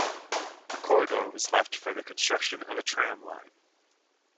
A corridor was left for the construction of a tram line.